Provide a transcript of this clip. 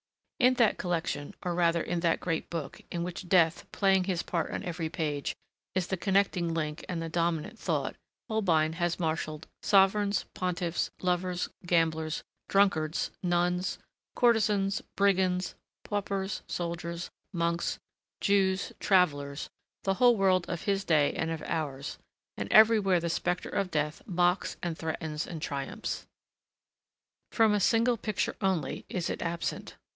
In that collection, or rather in that great book, in which Death, playing his part on every page, is the connecting link and the dominant thought, Holbein has marshalled sovereigns, pontiffs, lovers, gamblers, drunkards, nuns, courtesans, brigands, paupers, soldiers, monks, Jews, travellers, the whole world of his day and of ours; and everywhere the spectre of Death mocks and threatens and triumphs. From a single picture only, is it absent.